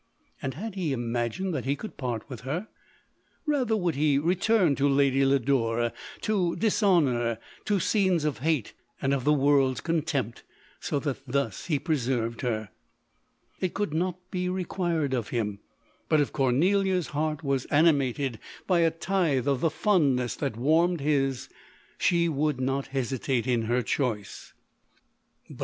And had he imagined that he could part with her ? Rather would he return to Lady Lodore, to dishonour, to scenes of hate and of the world's contempt, so that thus he preserved her: it could not be re quired of him ; but if Cornelia's heart was ani mated by a tithe of the fondness that warmed his, she would not hesitate in her choice ; but.